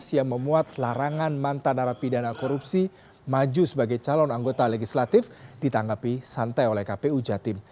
yang memuat larangan mantan narapidana korupsi maju sebagai calon anggota legislatif ditanggapi santai oleh kpu jatim